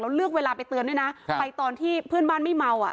แล้วเลือกเวลาไปเตือนด้วยนะไปตอนที่เพื่อนบ้านไม่เมาอ่ะ